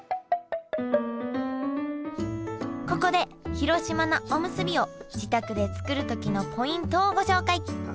ここで広島菜おむすびを自宅で作る時のポイントをご紹介。